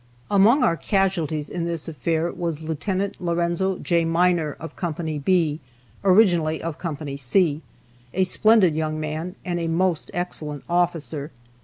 Among our casualties in this affair was Lt. Lorenzo J. Miner, of Co. B, (originally of Co. C,) a splendid young man, and a most excellent officer.